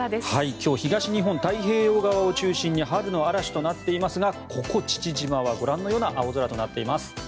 今日東日本太平洋側を中心に春の嵐となっていますがここ父島は、ご覧のような青空となっています。